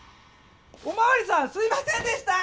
おまわりさんすいませんでした！